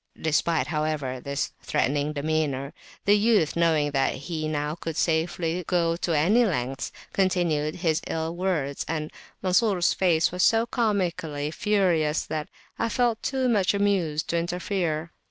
Despite, however, this threatening demeanour, the youth, knowing that he now could safely go to any lengths, continued his ill words, and Mansur's face was so comically furious, that I felt too much amused to interfere.